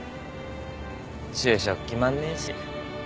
就職決まんねえし。